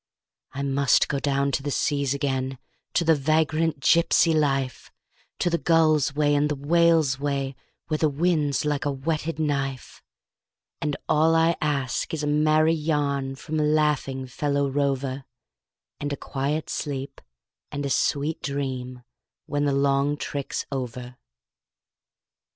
I must go down to the seas again, to the vagrant gypsy life, To the gull's way and the whale's way, where the wind's like a whetted knife; And all I ask is a merry yarn from a laughing fellow rover, And quiet sleep and a sweet dream when the long trick's over.